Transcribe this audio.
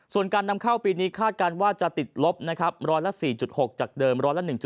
ส่วนการนำเข้าปีนี้คาดการณ์ว่าจะติดลบ๑๐๔๖จากเดิม๑๐๔๓